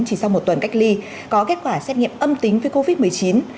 chỉ sau một tuần cách ly có kết quả xét nghiệm âm tính với covid một mươi chín